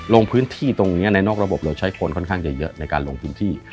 ลงพื้นที่ตรงนี้ในนอกระบบเราใช้คนค่อนข้างจะเยอะในการลงพื้นที่